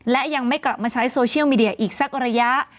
และยังไม่กลับมาใช้โซเชียลมีเดียอีกสักระยะ